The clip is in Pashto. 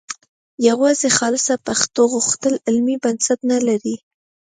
یوازې خالصه پښتو غوښتل علمي بنسټ نه لري